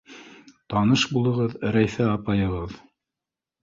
— Таныш булығыҙ — Рәйфә апайығыҙ.